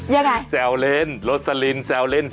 ยังไงแซวเล่นรสลินแซวเล่น